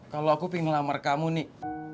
kalau aku pingin ngelamar kamu nih